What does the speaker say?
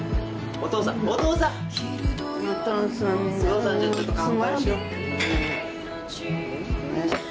お父さんちょっと乾杯しよう。